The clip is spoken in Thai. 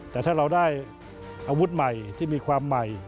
แต่ถ้าเราได้อาวุธใหม่ที่มีความใหม่